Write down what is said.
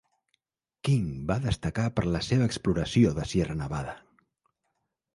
King va destacar per la seva exploració de Sierra Nevada.